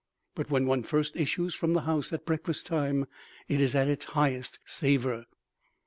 But when one first issues from the house at breakfast time it is at its highest savor.